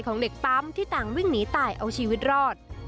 ของเด็กปั๊มที่ต่างวิ่งหนีตายเอาชีวิตรอด